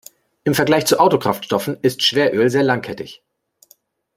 Im Vergleich zu Autokraftstoffen ist Schweröl sehr langkettig.